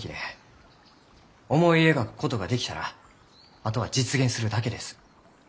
思い描くことができたらあとは実現するだけです。